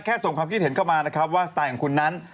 ส่งความคิดเห็นเข้ามานะครับว่าสไตล์ของคุณนั้น